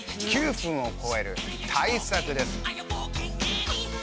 ９分を超える大作です。